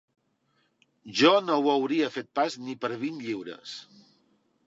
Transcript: Jo no ho hauria fet pas ni per vint lliures